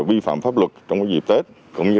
vi phạm pháp luật trong dịp tết cũng như